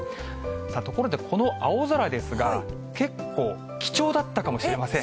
さあ、ところでこの青空ですが、結構貴重だったかもしれません。